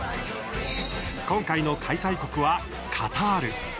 今回の開催国はカタール。